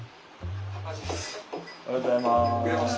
おはようございます。